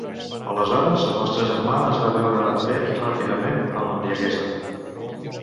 Aleshores el nostre germà es va veure atret, ràpidament, a l'embriaguesa.